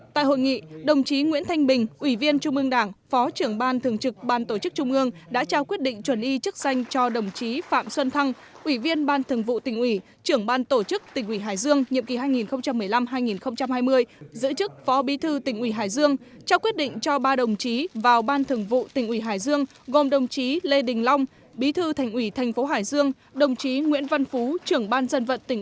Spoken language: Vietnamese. tại hội nghị đồng chí nguyễn thanh bình ủy viên trung ương đảng phó trưởng ban thường trực ban tổ chức trung ương đã trao quyết định chuẩn y chức danh cho đồng chí phạm xuân thăng ủy viên ban thường vụ tỉnh ủy trưởng ban tổ chức tỉnh ủy hải dương nhiệm kỳ hai nghìn một mươi năm hai nghìn hai mươi giữ chức phó bí thư tỉnh ủy hải dương trao quyết định cho ba đồng chí vào ban thường vụ tỉnh ủy hải dương gồm đồng chí lê đình long bí thư thành ủy thành phố hải dương đồng chí nguyễn văn phú trưởng ban dân vận tỉnh